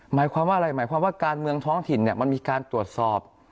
หมายความว่าอะไรหมายความว่าการเมืองท้องถิ่นมันมีการตรวจสอบ